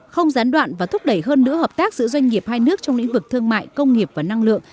không gián đoạn và thúc đẩy hơn nữa hợp tác giữa doanh nghiệp hai nước trong lĩnh vực thương mại công nghiệp và năng lượng